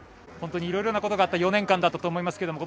いろいろなことがあった４年間だったと思いますが。